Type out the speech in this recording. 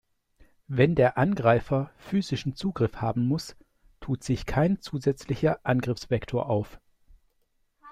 Wenn der Angreifer physischen Zugriff haben muss, tut sich kein zusätzlicher Angriffsvektor auf.